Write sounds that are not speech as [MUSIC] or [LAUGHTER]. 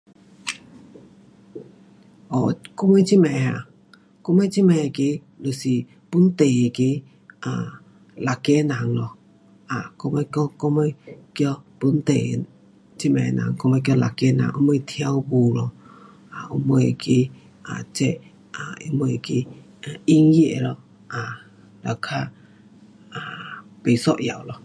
[UNINTELLIGIBLE] 就这次啊，就这次就是本地的六个人 um 到尾到尾叫本地这边的人后面叫六个人跳舞咯。后面去 um 这 um 因为去音乐咯 um 就较 um 不一样咯。